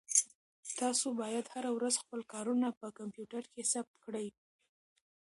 تاسو باید هره ورځ خپل کارونه په کمپیوټر کې ثبت کړئ.